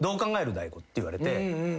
大悟って言われて。